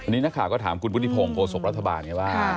นี่นะคะก็ถามคุณพุทธิพงศ์โครสกรัฐบาล